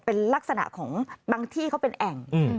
เป็นลักษณะของบางที่เขาเป็นแอ่ง